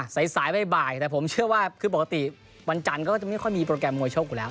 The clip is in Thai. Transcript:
สายสายบ่ายแต่ผมเชื่อว่าคือปกติวันจันทร์ก็จะไม่ค่อยมีโปรแกรมมวยชกอยู่แล้ว